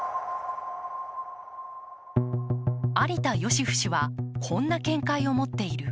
有田芳生氏はこんな見解を持っている。